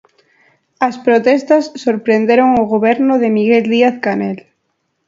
As protestas sorprenderon o goberno de Miguel Díaz Canel.